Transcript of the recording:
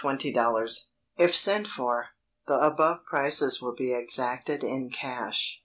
00 If sent for, the above prices will be exacted in cash.